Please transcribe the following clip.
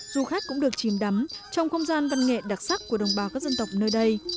du khách cũng được chìm đắm trong không gian văn nghệ đặc sắc của đồng bào các dân tộc nơi đây